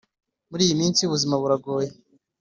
muri iyi minsi ubuzima buragoye.